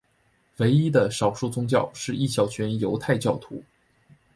唯一的少数宗教是一小群犹太教徒。